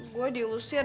gue diusir dari kontrol